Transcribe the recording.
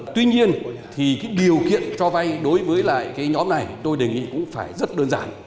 tuy nhiên thì cái điều kiện cho vay đối với lại cái nhóm này tôi đề nghị cũng phải rất đơn giản